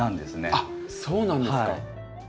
あっそうなんですか。